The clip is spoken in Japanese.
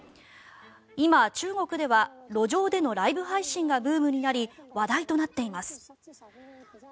今、中国では路上でのライブ配信がブームになり話題となっています。